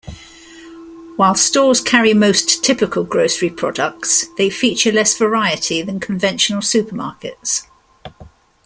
While stores carry most typical grocery products, they feature less variety than conventional supermarkets.